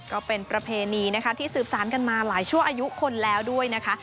ก็เป็นประเพณีนะคะที่สืบสารกันมาหลายชั่วอายุคนแล้วด้วยนะคะ